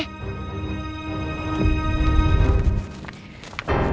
paket makanan buat bu andin